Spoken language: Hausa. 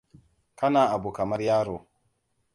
Kana abu kamar yaro.